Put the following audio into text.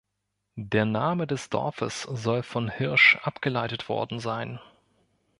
Der Name des Dorfes soll von "Hirsch" abgeleitet worden sein.